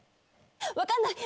分かんない！